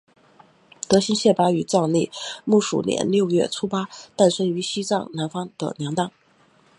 德新谢巴于藏历木鼠年六月初八诞生在西藏南方的娘当。